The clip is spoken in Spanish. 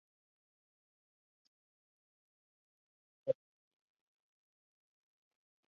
La composición de su vegetación es típica de la estepa patagónica.